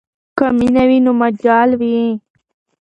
که مینه وي نو مجال وي.